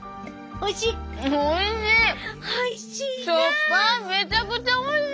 おいしいな。